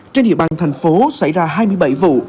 trên địa bàn thành phố xảy ra hai mươi bảy vụ